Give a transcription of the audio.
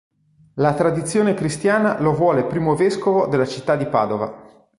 La tradizione cristiana lo vuole primo vescovo della città di Padova.